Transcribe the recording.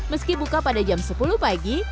meski buka pada jam sepuluh pagi